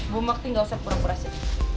bumukti nggak usah pura pura sih